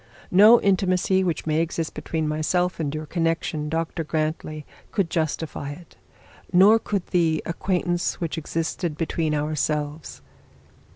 No intimacy which may exist between myself and your connection, Dr Grantly, could justify it. Nor could the acquaintance which existed between ourselves.'